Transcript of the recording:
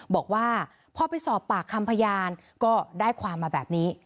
บอกว่าพอไปสอบปากคำพยานก็ได้ความมาแบบนี้